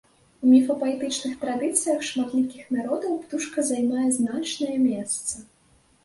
У міфапаэтычных традыцыях шматлікіх народаў птушка займае значнае месца.